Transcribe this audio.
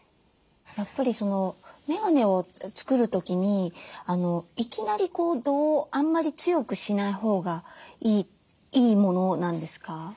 やっぱりメガネを作る時にいきなり度をあんまり強くしないほうがいいものなんですか？